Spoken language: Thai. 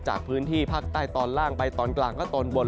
จากพื้นที่ภาคใต้ตอนล่างไปตอนกลางและตอนบน